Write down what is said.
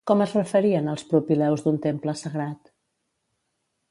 Com es referien als propileus d'un temple sagrat?